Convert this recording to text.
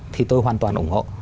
thì tôi hoàn toàn ủng hộ